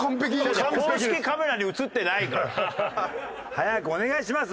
早くお願いします